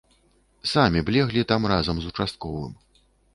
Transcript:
Самі б леглі там разам з участковым.